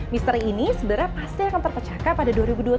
misteri ini sebenarnya pasti akan terpecahkan pada dua ribu dua puluh tiga